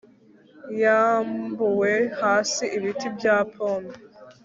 Yambuwe hasi ibiti bya pome